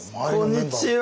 こんにちは！